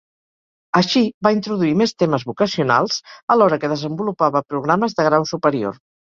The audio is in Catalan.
Així, va introduir més temes vocacionals, alhora que desenvolupava programes de grau superior.